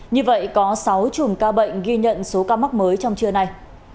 như vậy có sáu chùm ca bệnh ghi nhận số ca mắc mới trong trưa nay